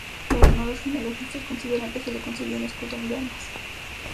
Además, los genealogistas consideran que se le concedió un escudo de armas.